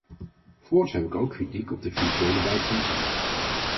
Voorts heb ik ook kritiek op de financiële bijstand zelf.